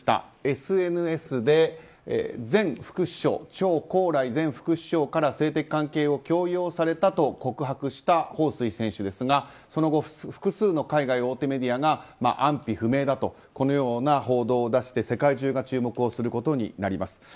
ＳＮＳでチョウ・コウライ前副首相から性的関係を強要されたと告白したホウ・スイ選手ですがその後、複数の海外メディアが安否不明だという報道を出して世界中が注目することになります。